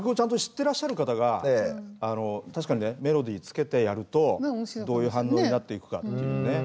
てらっしゃる方が確かにねメロディーつけてやるとどういう反応になっていくかっていうね。